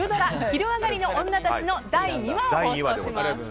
「昼上がりのオンナたち」の第２話を放送します。